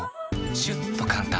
シュッと簡単！